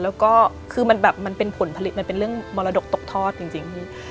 แล้วก็คือมันแบบมันเป็นผลผลิตมันเป็นเรื่องมรดกตกทอดจริงพี่